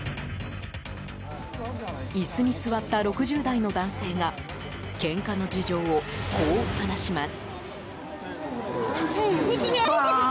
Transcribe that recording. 椅子に座った６０代の男性がけんかの事情をこう話します。